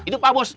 itu pak bos